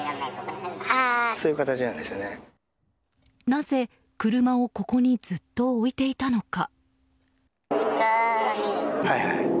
なぜ、車をここにずっと置いていたのか。